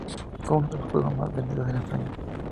Fue uno de los juegos más vendidos en ese año.